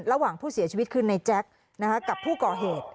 ระหว่างผู้เสียชีวิตคือในแจ๊คกับผู้ก่อเหตุ